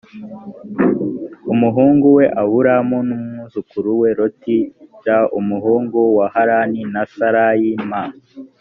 umuhungu we aburamu n umwuzukuru we loti l umuhungu wa harani na sarayi m